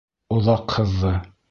Оҙаҡ һыҙҙы.